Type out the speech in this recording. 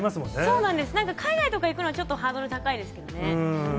そうなんです、海外とか行くのは、ちょっとハードル高いですけれどもね。